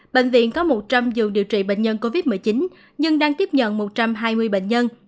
bệnh viện có một trăm linh giường điều trị bệnh nhân covid một mươi chín nhưng đang tiếp nhận một trăm hai mươi bệnh nhân